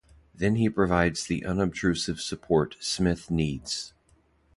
Then he provides the unobtrusive support Smith needs.